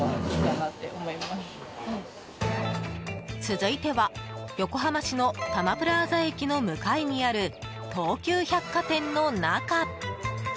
続いては、横浜市のたまプラーザ駅の向かいにある東急百貨店の中。